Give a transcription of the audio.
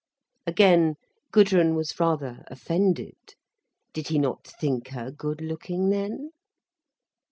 Again Gudrun was rather offended. Did he not think her good looking, then?